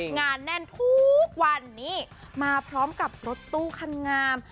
งานแน่นทุกวันนี้มาพร้อมกับรถตู้คันงาม